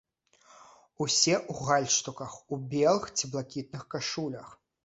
Усе ў гальштуках, у белых ці блакітных кашулях.